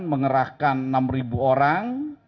mengerahkan enam orang